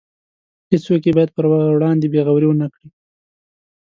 هیڅوک یې باید پر وړاندې بې غورۍ ونکړي.